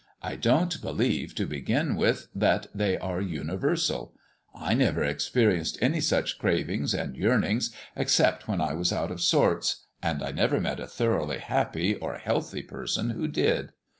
I don't believe, to begin with, that they are universal. I never experienced any such cravings and yearnings except when I was out of sorts; and I never met a thoroughly happy or healthy person who did.